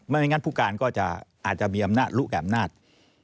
ไม่งั้นผู้การก็จะอาจจะมีอำนาจ